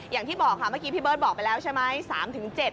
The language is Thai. อย่างที่บอกค่ะเมื่อกี้พี่เบิร์ตบอกไปแล้วใช่ไหม